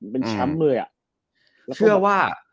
เป็นชั้มเลยอ่ะ